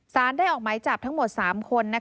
สารได้ออกหมายจับทั้งหมด๓คน